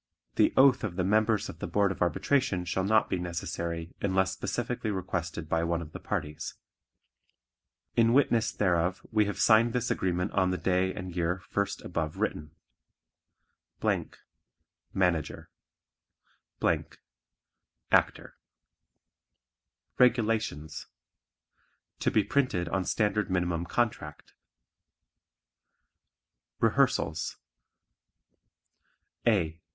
The oath of the members of the Board of Arbitration shall not be necessary unless specifically requested by one of the parties. IN WITNESS WHEREOF we have signed this agreement on the day and year first above written. MANAGER ACTOR REGULATIONS (To be printed on Standard Minimum Contract) Rehearsals A.